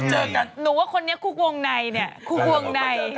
หนูว่าคนนี้คู่กวงในเนี่ย